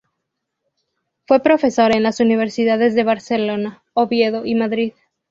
Fue profesor en las universidades de Barcelona, Oviedo y Madrid.